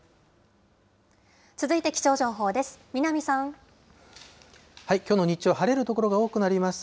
続いて、気象情報です。